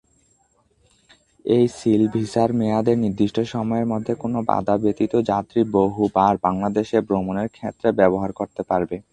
এই সীল ভিসার মেয়াদে নির্দিষ্ট সময়ের মধ্যে কোন বাধা ব্যতীত যাত্রী বহুবার বাংলাদেশে ভ্রমণের ক্ষেত্রে ব্যবহার করতে পারবে।